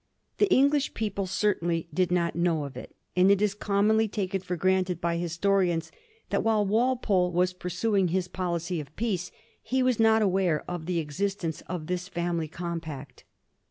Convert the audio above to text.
The English people certainly did not know of it ; and it is commonly taken for granted by historians that while Walpole was pursuing his policy of peace he was not aware of the existence of this family compact.